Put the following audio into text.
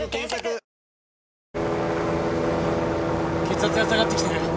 血圧が下がってきてる。